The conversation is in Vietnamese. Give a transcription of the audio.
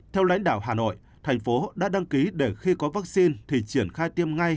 theo lãnh đạo hà nội thành phố đã đăng ký để khi có vaccine thì triển khai tiêm ngay